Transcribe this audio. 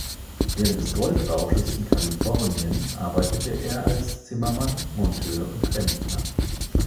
Während des Goldrausches in Kalifornien arbeitete er als Zimmermann, Monteur und Klempner.